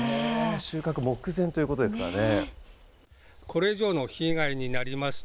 収穫目前ということですからね。